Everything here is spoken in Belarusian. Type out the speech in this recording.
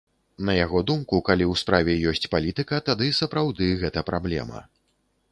На яго думку, калі ў справе ёсць палітыка, тады сапраўды гэта праблема.